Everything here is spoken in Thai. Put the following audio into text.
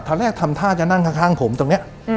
ทำแรกทำท่าจะนั่งข้างผมตรงนี้